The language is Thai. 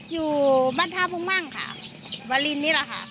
อยู่บ้านท่ามุ่งมั่งค่ะวาลินนี่แหละค่ะ